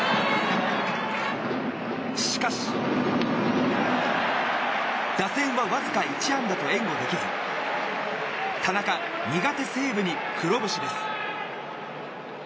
しかし打線はわずか１安打と援護できず田中、苦手・西武に黒星です。